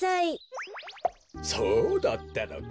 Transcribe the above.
そうだったのか。